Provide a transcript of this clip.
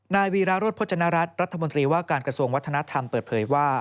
นายวีราโรธพจนรัฐรัฐมนตรีว่าการกระทรวงวัฒนธรรมเปิดเผยว่า